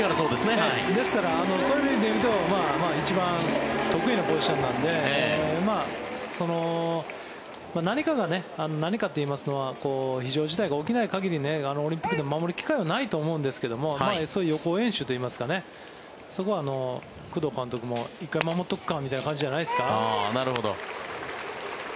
ですから、そういう意味でいうと一番得意なポジションなので何か、何かといいますのは非常事態が起きない限りオリンピックでも守る機会ないと思うんですけどそういう予行演習といいますかそこは工藤監督も１回守っておくかみたいな感じじゃないですか。